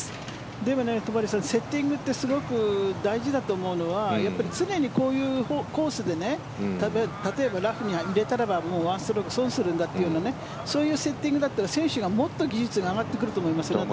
でも戸張さんセッティングってすごく大事だなと思うのは常にこういうコースで例えばラフに入れたらばもう１ストローク損するんだっていうようなそういうセッティングだったら選手がもっと技術上がってくると思いますよ。